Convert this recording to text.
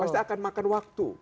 pasti akan makan waktu